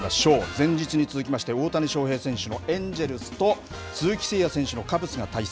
前日に続きまして大谷翔平選手もエンジェルスと鈴木誠也選手のカブスが対戦。